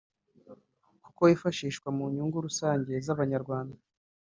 kuko wifashishwa mu nyungu rusange z’Abanyarwanda